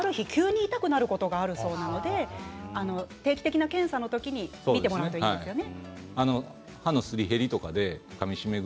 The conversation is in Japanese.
気付いていない人の方がある日、急に痛くなることがあるそうなので定期的に検査の時に診てもらうといいですね。